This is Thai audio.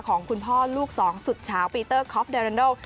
ของคุณพ่อลูกสองสุดเฉาปีเตอร์คอฟเดรันโด